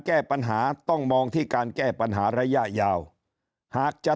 แก้ปัญหาต้องมองที่การแก้ปัญหาระยะยาวหากจะ